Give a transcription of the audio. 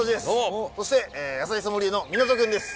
そして野菜ソムリエの湊君です。